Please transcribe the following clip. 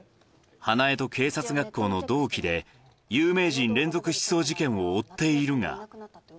花恵と警察学校の同期で、有名人連続失踪事件を追っているが。